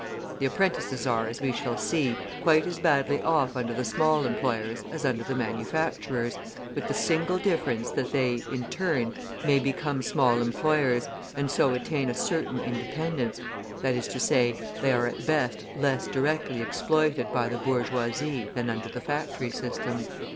The apprentices are, as we shall see, quite as badly off under the small employers as under the manufacturers, with the single difference that they, in turn, may become small employers, and so attain a certain independence that is to say, they are at best less directly exploited by the bourgeoisie than under the factory system.